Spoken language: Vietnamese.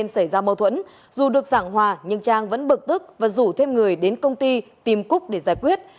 xảy ra mâu thuẫn dù được giảng hòa nhưng trang vẫn bực tức và rủ thêm người đến công ty tìm cúc để giải quyết